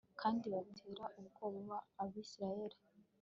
kandi batera ubwoba abayisraheli